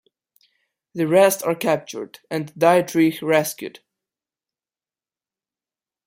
The rest are captured, and Dietrich rescued.